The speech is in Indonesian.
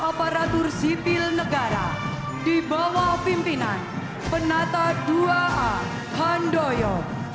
aparatur sipil negara di bawah pimpinan penata dua a handoyo